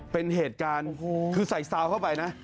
เป็นเหตุการณ์คือใส่ซาวเข้าไปนะ